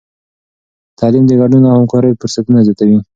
تعلیم د ګډون او همکارۍ فرصتونه زیاتوي.